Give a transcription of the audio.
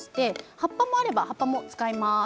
葉っぱもあれば葉っぱも使います。